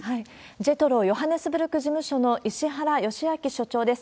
ジェトロヨハネスブルク事務所の石原圭昭所長です。